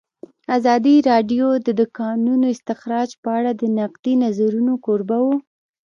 ازادي راډیو د د کانونو استخراج په اړه د نقدي نظرونو کوربه وه.